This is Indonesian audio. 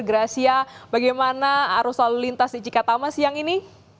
gracia bagaimana arus lalu lintas di cikatama siang ini